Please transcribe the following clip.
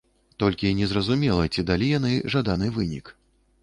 Толькі незразумела, ці далі яны жаданы вынік.